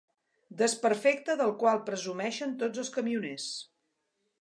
Desperfecte del qual presumeixen tots els camioners.